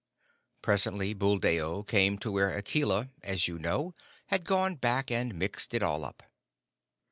Presently Buldeo came to where Akela, as you know, had gone back and mixed it all up.